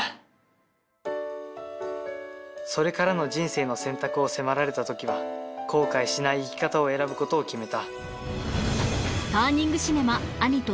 それからの人生の選択を迫られた時は後悔しない生き方を選ぶことを決めた